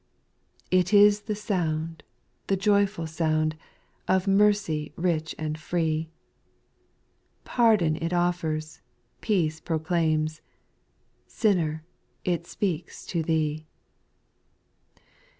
Chobus. It is the sound, the joyful sound, Of mercy rich and free ; Pardon it offers, peace proclaims, Sinner I it speaks to thee.